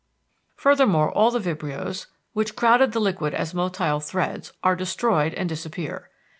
Furthermore all the vibrios, which crowded the liquid as motile threads, are destroyed and disappear.